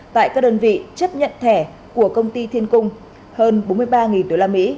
tại các đơn vị chấp nhận thẻ của công ty thiên cung hơn bốn mươi ba usd